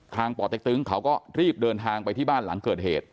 ป่อเต็กตึงเขาก็รีบเดินทางไปที่บ้านหลังเกิดเหตุ